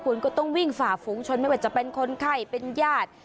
คุณก็ต้องวิ่งฝ่าฝูงชนไม่ว่าจะเป็นคนไข้เป็นญาติ